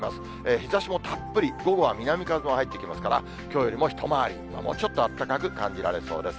日ざしもたっぷり、午後は南風も入ってきますから、きょうよりも一回り、もうちょっとあったかく感じられそうです。